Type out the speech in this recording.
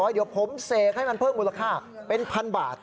เดี๋ยวผมเสกให้มันเพิ่มมูลค่าเป็นพันบาท